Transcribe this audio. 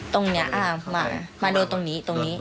ตรงเนี้ยอ่ามามาโดนตรงนี้ตรงนี้